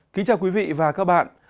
kính chào quý vị và các bạn